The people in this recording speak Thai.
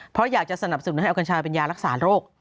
เพราะอยากจะสนับสนุนให้เอากัญชาเป็นยารักษาโรค